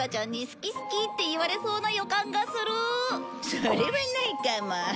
それはないかも。